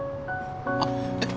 あっえっ